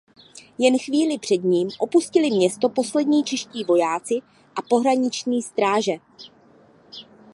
Jen chvíli před ním opustili město poslední čeští vojáci a pohraniční stráže.